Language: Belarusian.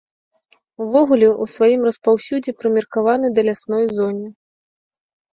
Увогуле, у сваім распаўсюдзе прымеркаваны да лясной зоне.